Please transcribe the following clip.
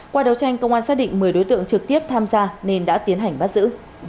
qua đấu tranh công an xác định một mươi đối tượng trực tiếp tham gia nên đã tiến hành bắt giữ